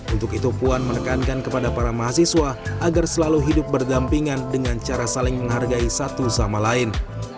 untuk itu puan menekankan kepada para mahasiswa agar selalu hidup berdampingan dengan cara saling menghargai satu sama lain